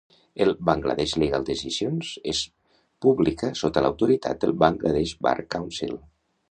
El "Bangladesh Legal Decisions" es publica sota l'autoritat del "Bangladesh Bar Council".